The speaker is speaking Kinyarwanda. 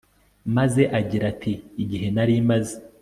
maze agira ati igihe nari maze